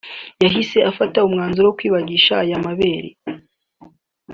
yahise afata umwanzuro wo kwibagisha aya mabere